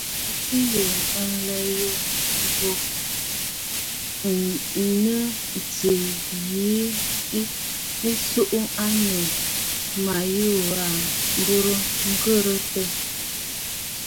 Kǒ abàʼati yû ŋ̀kɔɔntə aləə̀ yo ghu, ǹyi tɨ yǐ zì ǹtsuu ànnù ma yû bǔ burə ghɨghɨ̀rə̀!